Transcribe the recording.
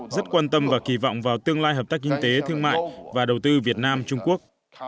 rất quan tâm và kỳ vọng vào tương lai hợp tác kinh tế thương mại và đầu tư việt nam trung quốc